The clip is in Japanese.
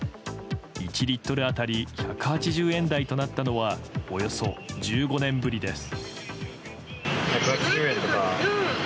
１リットル当たり１８０円台となったのはおよそ１５年ぶりです。